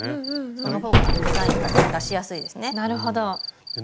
そのほうがデザインが出しやすいですね。